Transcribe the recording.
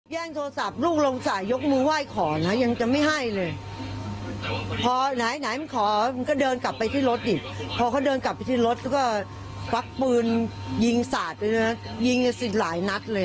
แล้วก็ปลั๊กปืนยิงศาสตร์ยิงสิ่งหลายนักเลย